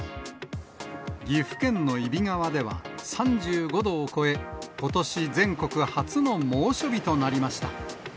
岐阜県の揖斐川では３５度を超え、ことし全国初の猛暑日となりました。